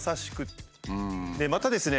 またですね